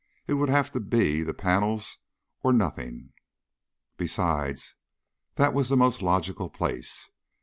It would have to be the panels or nothing. Besides, that was the most logical place.